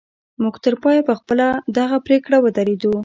موږ تر پایه پر خپله دغه پرېکړه ودرېدو